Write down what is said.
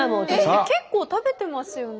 結構食べてますよね。